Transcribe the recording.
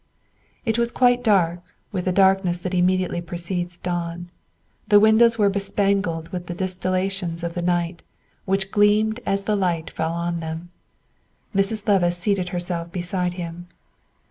It was quite dark with the darkness that immediately precedes dawn; the windows were bespangled with the distillations of the night, which gleamed as the light fell on them. Mrs. Levice seated herself beside him.